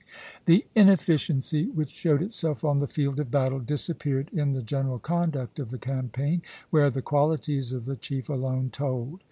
The inefficiency which showed itself on the field of battle disappeared in the general conduct of the campaign where the qualities of the chief alone told.